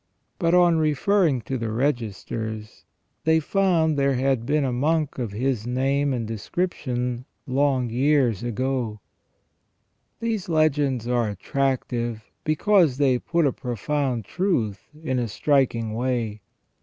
But on referring to the registers, they found there had been a monk of his name and description long years ago. These legends are attractive because they put a profound truth in a striking way.